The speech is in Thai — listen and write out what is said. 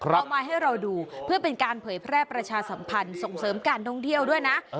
เอามาให้เราดูเพื่อเป็นการเผยแพร่ประชาสัมพันธ์ส่งเสริมการท่องเที่ยวด้วยนะ